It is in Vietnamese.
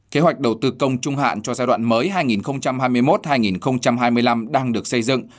kế hoạch đầu tư công trung hạn cho giai đoạn mới hai nghìn hai mươi một hai nghìn hai mươi năm đang được xây dựng